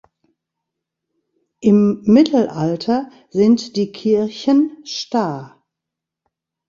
Im Mittelalter sind die Kirchen Sta.